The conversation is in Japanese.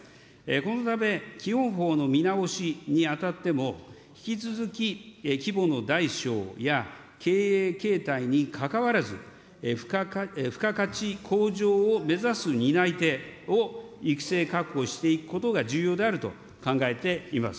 このため基本法の見直しにあたっても、引き続き規模の大小や経営形態にかかわらず、付加価値向上を目指す担い手を育成確保していくことが重要であると考えています。